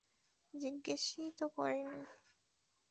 জিজ্ঞেসই তো করোনি।